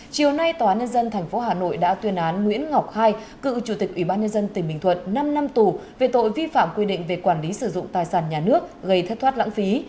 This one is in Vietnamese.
chiều nay tòa án nhân dân tp hà nội đã tuyên án nguyễn ngọc hai cựu chủ tịch ubnd tỉnh bình thuận năm năm tù về tội vi phạm quy định về quản lý sử dụng tài sản nhà nước gây thất thoát lãng phí